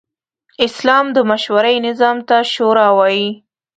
اسلام د مشورې نظام ته “شورا” وايي.